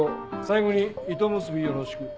最後に糸結びよろしく。